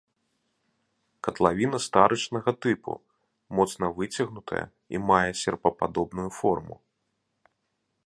Катлавіна старычнага тыпу, моцна выцягнутая і мае серпападобную форму.